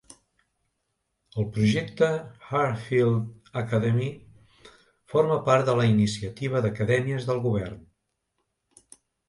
El projecte Harefield Academy forma part de la iniciativa d'Acadèmies del Govern.